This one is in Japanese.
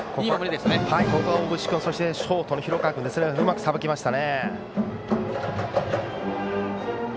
ここは大渕君そしてショートの廣川君がうまくさばきました。